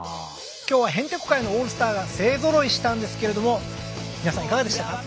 今日はへんてこ界のオールスターが勢ぞろいしたんですけれども皆さんいかがでしたか？